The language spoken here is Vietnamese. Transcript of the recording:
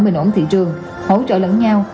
bình ổn thị trường hỗ trợ lẫn nhau